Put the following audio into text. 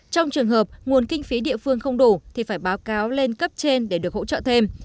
trong trường hợp nguồn kinh phí địa phương không đủ thì phải báo cáo lên cấp trên để được hỗ trợ thêm